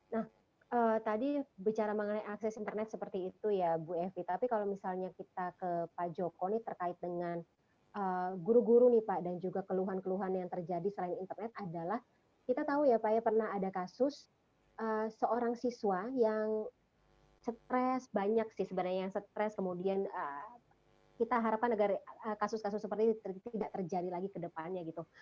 nah tadi bicara mengenai akses internet seperti itu ya bu efi tapi kalau misalnya kita ke pak joko nih terkait dengan guru guru nih pak dan juga keluhan keluhan yang terjadi selain internet adalah kita tahu ya pak ya pernah ada kasus seorang siswa yang stres banyak sih sebenarnya yang stres kemudian kita harapkan agar kasus kasus seperti ini tidak terjadi lagi ke depannya gitu